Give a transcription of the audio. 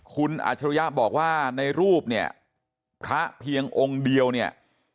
คุณอัจฉริยะบอกว่าในรูปเนี่ยพระเพียงองค์เดียวเนี่ย